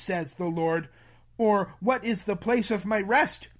saith the Lord : or what ib the place of my rest